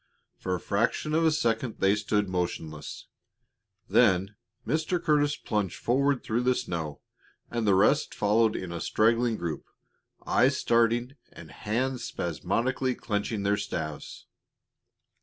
For a fraction of a second they stood motionless; then Mr. Curtis plunged forward through the snow, and the rest followed in a straggling group, eyes starting and hands spasmodically clenching their staves.